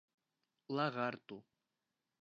Lagarto